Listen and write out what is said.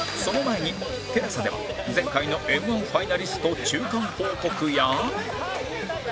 その前に ＴＥＬＡＳＡ では前回の Ｍ−１ ファイナリスト中間報告や